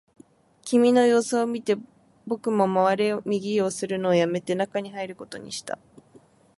君の様子を見て、僕も回れ右をするのをやめて、中に入ることにした